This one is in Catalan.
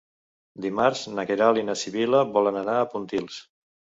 Dimarts na Queralt i na Sibil·la volen anar a Pontils.